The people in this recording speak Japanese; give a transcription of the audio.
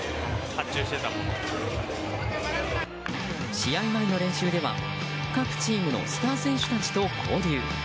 試合前の練習では各チームのスター選手たちと交流。